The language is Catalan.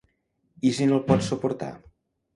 I si no el pots suportar?